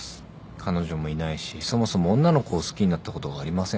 そもそも女の子を好きになったことがありません。